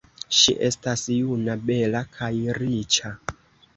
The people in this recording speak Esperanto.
Ŝi estas juna, bela, kaj riĉa.